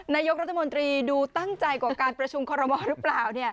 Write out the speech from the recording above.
นายกรัฐมนตรีดูตั้งใจกว่าการประชุมคอรมอลหรือเปล่า